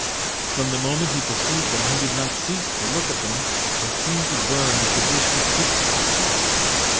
From the moment he perceived them he did not cease to look at them and seemed to burn with the wish to speak to them.